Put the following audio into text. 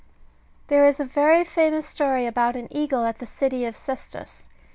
There is a very famous story about an eagle at the city of Sestos.